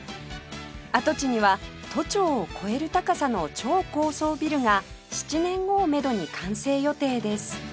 跡地には都庁を超える高さの超高層ビルが７年後をめどに完成予定です